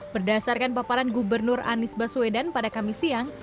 berdasarkan paparan gubernur anies baswedan pada kamis siang